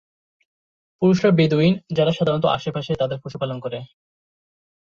পুরুষরা বেদুইন, যারা সাধারণত আশেপাশে তাদের পশু পালন করে।